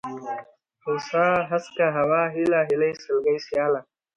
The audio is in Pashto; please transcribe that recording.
هوسا ، هسکه ، هوا ، هېله ، هيلۍ ، سلگۍ ، سياله